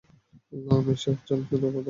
আমার ঈর্ষা হচ্ছে না, শুধুই কৌতূহল।